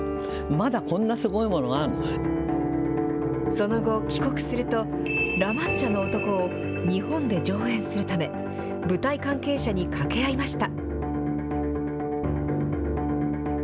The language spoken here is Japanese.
その後、帰国すると、ラ・マンチャの男を日本で上演するため、舞台関係者に掛け合いました。